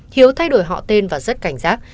hiếu thay đổi họ tên và rất cảnh giác